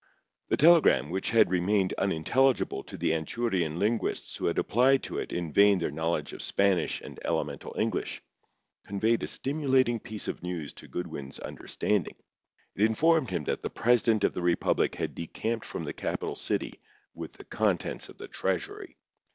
The telegram, which had remained unintelligible to the Anchurian linguists who had applied to it in vain their knowledge of Spanish and elemental English, conveyed a stimulating piece of news to Goodwin's understanding. It informed him that the president of the republic had decamped from the capital city with the contents of the treasury.